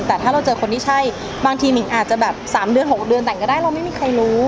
แต่ถ้าเราเจอคนที่ใช่บางทีมิงอาจจะแบบ๓เดือน๖เดือนแต่งก็ได้เราไม่มีใครรู้